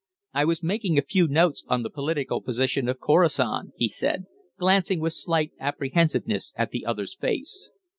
"I was making a few notes on the political position of Khorasan," he said, glancing with slight apprehensiveness at the other's face.